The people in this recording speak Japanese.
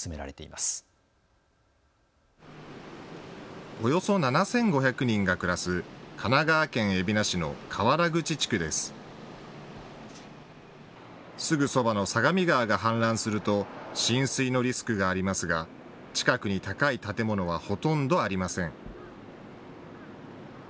すぐそばの相模川が氾濫すると浸水のリスクがありますが近くに高い建物はほとんどありません。